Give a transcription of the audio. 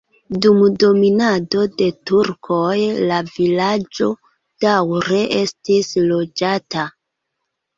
Dum dominado de turkoj la vilaĝo daŭre estis loĝata.